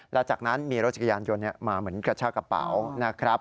แล้วจากนั้นมีรถจักรยานยนต์มาเหมือนกระชากระเป๋านะครับ